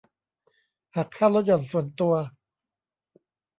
หักค่าลดหย่อนส่วนตัว